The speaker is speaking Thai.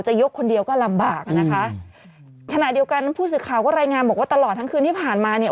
ยกคนเดียวก็ลำบากอ่ะนะคะขณะเดียวกันผู้สื่อข่าวก็รายงานบอกว่าตลอดทั้งคืนที่ผ่านมาเนี่ย